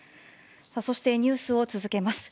そしてニュースを続けます。